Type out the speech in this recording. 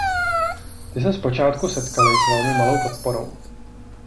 Ty se zpočátku setkaly s velmi malou podporou.